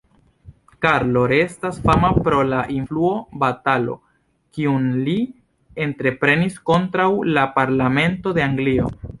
Karlo restas fama pro la influo-batalo, kiun li entreprenis kontraŭ la Parlamento de Anglio.